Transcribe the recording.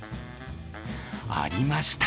ありました！